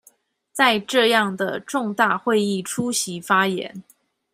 在這樣的重大會議出席發言